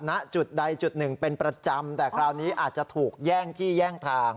ณจุดใดจุดหนึ่งเป็นประจำแต่คราวนี้อาจจะถูกแย่งที่แย่งทาง